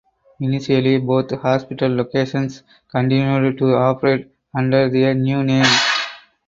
Initially both hospital locations continued to operate under their new name.